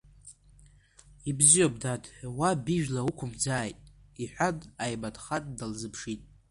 Ибзиоуп, дад, уаб ижәла уқәымӡааит, – иҳәан, Ҟаимаҭхан дналзыԥшит.